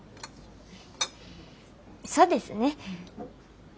そうですね。